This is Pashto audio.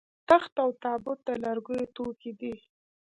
تخت او تابوت د لرګیو توکي دي